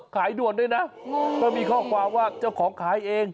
ขายด่วนด้วยนะก็มีข้อความว่าเจ้าของขายเอง